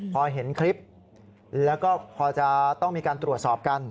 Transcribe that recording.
พอเห็นคลิปแล้วก็พอจะต้องมีการตรวจสอบกัน